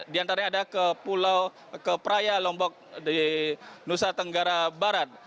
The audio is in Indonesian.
diantaranya ada ke peraya lombok di nusa tenggara barat